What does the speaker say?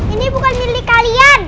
ini bukan milik kalian